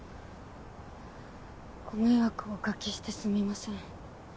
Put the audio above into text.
ご迷惑おかけしてすみません。